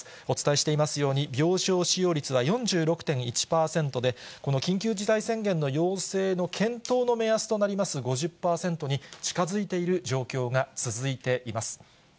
お伝えしていますように、病床使用率は４６．１％で、この緊急事態宣言の要請の検討の目安となります５０％に近づいている状況が続いています。